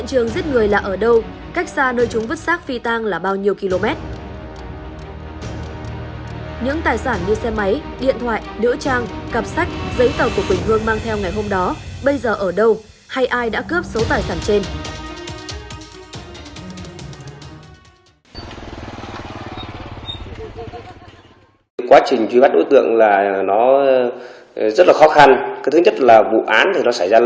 những tài sản như xe máy điện thoại nữ trang cặp sách giấy tờ của quỳnh hương mang theo ngày hôm đó bây giờ ở đâu hay ai đã cướp số tài sản trên